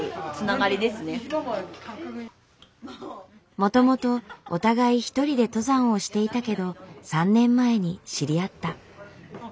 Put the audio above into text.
もともとお互い１人で登山をしていたけど３年前に知り合った。